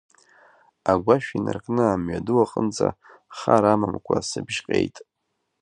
Агәашә инаркны амҩаду аҟынӡа хар амамкәа сыбжьҟьеит.